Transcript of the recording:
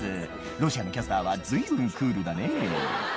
ロシアのキャスターは随分クールだね